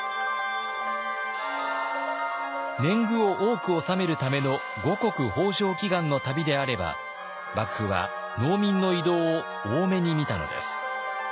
年貢を多く納めるための五穀豊穣祈願の旅であれば幕府は農民の移動を大目に見たのです。